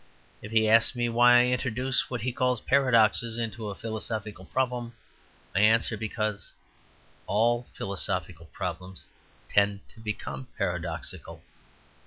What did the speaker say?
If he asks me why I introduce what he calls paradoxes into a philosophical problem, I answer, because all philosophical problems tend to become paradoxical.